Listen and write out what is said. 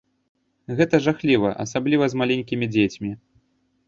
Гэта жахліва, асабліва з маленькімі дзецьмі.